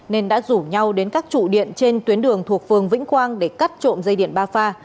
nên đã rủ nhau đến các trụ điện trên tuyến đường thuộc phường vĩnh quang để cắt trộm dây điện ba pha